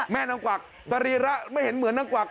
นางกวักสรีระไม่เห็นเหมือนนางกวัก